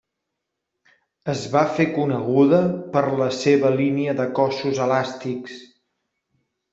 Es va fer coneguda per la seva línia de cossos elàstics.